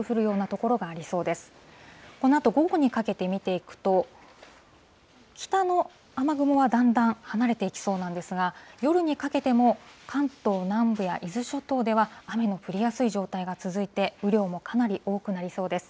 このあと午後にかけて見ていくと、北の雨雲はだんだん離れていきそうなんですが、夜にかけても関東南部や伊豆諸島では、雨の降りやすい状態が続いて、雨量もかなり多くなりそうです。